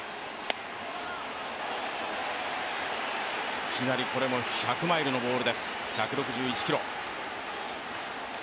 いきなりこれも１００マイルのボールです、１６１キロ。